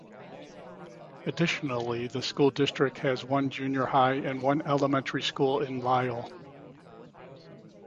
Additionally, the school district has one junior high and one elementary school in Lisle.